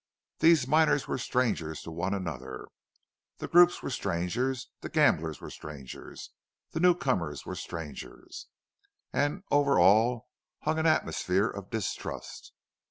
These miners were strangers to one another; the groups were strangers; the gamblers were strangers; the newcomers were strangers; and over all hung an atmosphere of distrust.